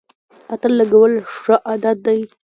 عطر لګول ښه عادت دی